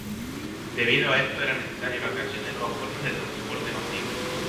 Debido a esto era necesario la creación de nuevas formas de transporte masivo.